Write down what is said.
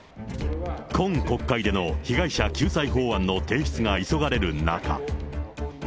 今国会での被害者救済法案の提出が急がれる中。